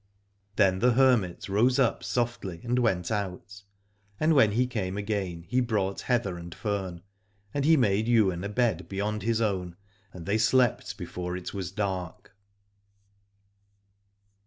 Then the hermit rose up softly and went out, and when he came again he brought heather and fern, and he made Ywain a bed beyond his own, and they slept before it was dark.